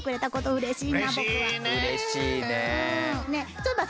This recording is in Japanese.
うれしい。